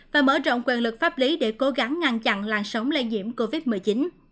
và mở rộng quyền lực pháp lý để cố gắng ngăn chặn làn sóng lây nhiễm covid một mươi chín